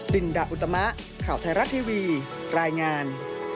ลินดาอุตมะข่าวไทยรัฐทีวีรายงาน